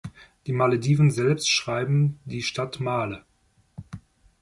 Die Malediven selbst schreiben die Stadt Male'.